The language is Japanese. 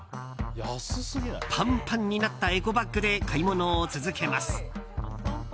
パンパンになったエコバッグで買い物を続けます。